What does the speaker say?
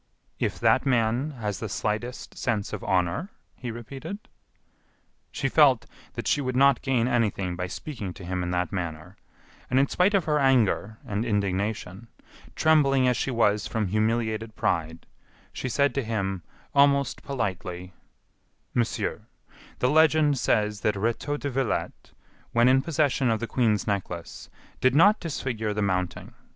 "If that man has the slightest sense of honor," he repeated. She felt that she would not gain anything by speaking to him in that manner, and in spite of her anger and indignation, trembling as she was from humiliated pride, she said to him, almost politely: "Monsieur, the legend says that Rétaux de Villette, when in possession of the Queen's Necklace, did not disfigure the mounting.